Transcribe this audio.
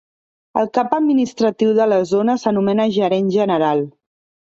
El cap administratiu de la zona s'anomena Gerent General.